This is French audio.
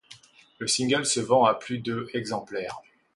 Le single se vend à plus de exemplaires.